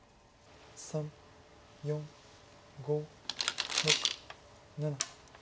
３４５６７。